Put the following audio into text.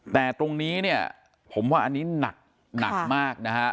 แต่ตรงนี้เนี่ยผมว่าอันนี้หนักมากนะฮะ